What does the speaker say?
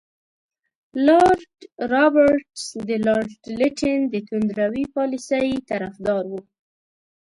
لارډ رابرټس د لارډ لیټن د توندروي پالیسۍ طرفدار وو.